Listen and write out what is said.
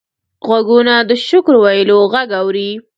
غوږونه د شکر ویلو غږ اوري